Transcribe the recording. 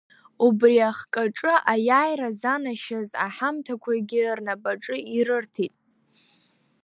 Убри ахкаҿы аиааира занашьаз аҳамҭақәагьы рнапаҿы ирырҭеит.